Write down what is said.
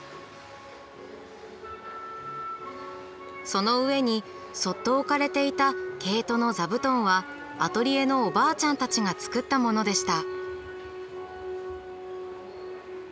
その上にそっと置かれていた毛糸の座布団はアトリエのおばあちゃんたちが作ったものでした。